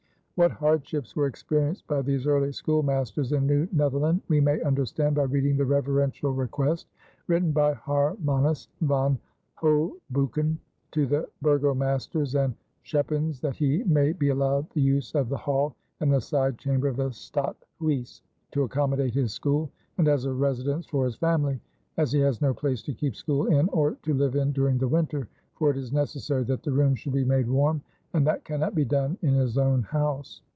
What hardships were experienced by these early schoolmasters in New Netherland we may understand by reading the Reverential Request written by Harmanus Van Hoboocken to the burgomasters and schepens that he may be allowed the use of the hall and side chamber of the Stadt Huys to accommodate his school and as a residence for his family, as he has no place to keep school in or to live in during the winter, for it is necessary that the rooms should be made warm, and that cannot be done in his own house.